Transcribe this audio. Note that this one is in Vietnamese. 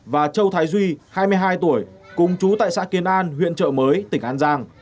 và châu thái duy hai mươi hai tuổi cùng chú tại xã kiến an huyện trợ mới tỉnh an giang